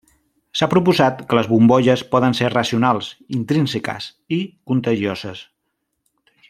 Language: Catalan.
S'ha proposat que les bombolles poden ser racionals, intrínseques, i contagioses.